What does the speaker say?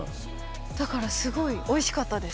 だからすごいおいしかったです。